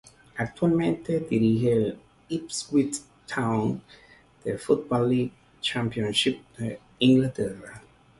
Actualmente dirige el Ipswich Town de la Football League Championship de Inglaterra.